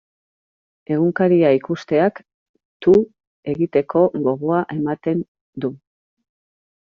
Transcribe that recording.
Egunkaria ikusteak tu egiteko gogoa ematen du.